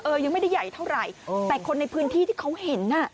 ยังไม่ได้ใหญ่เท่าไหร่แต่คนในพื้นที่ที่เขาเห็นอ่ะ